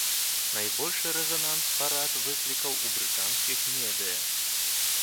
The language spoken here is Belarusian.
Найбольшы рэзананс парад выклікаў у брытанскіх медыя.